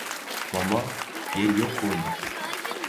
Momo Yer yo‘q bo‘ldi!